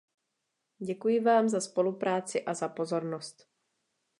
Děkuji vám za spolupráci a za pozornost.